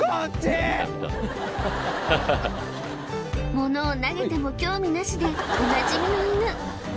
物を投げても興味なしでおなじみの犬